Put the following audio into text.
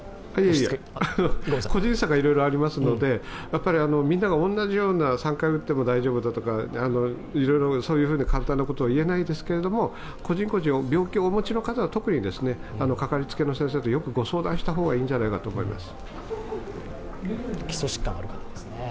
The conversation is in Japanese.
個人差がいろいろありますので、みんなが同じような３回打っても大丈夫だとかそう簡単なことは言えませんけれども、個人個人、病気をお持ちの方は特にかかりつけの先生とよくご相談したほうがいいと思います。